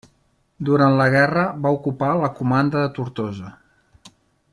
Durant la guerra va ocupar la comanda de Tortosa.